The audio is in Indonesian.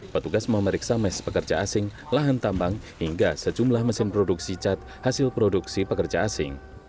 petugas memeriksa mes pekerja asing lahan tambang hingga sejumlah mesin produksi cat hasil produksi pekerja asing